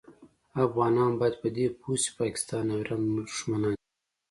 افغانان باید په دي پوه شي پاکستان او ایران زمونږ دوښمنان دي